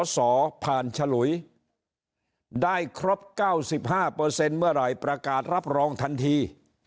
สอผ่านฉลุยได้ครบ๙๕เมื่อไหร่ประกาศรับรองทันที